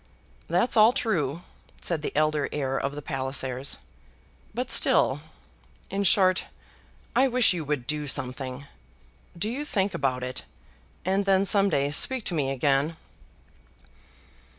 "That's all true," said the elder heir of the Pallisers, "but still . In short, I wish you would do something. Do you think about it; and then some day speak to me again."